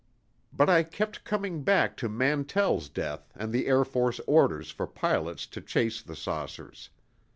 But I kept coming back to Mantell's death and the Air Force orders for pilots to chase the saucers.